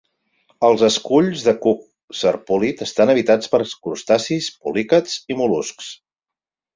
Els esculls de cuc serpúlid estan habitats per crustacis, poliquets i mol·luscs.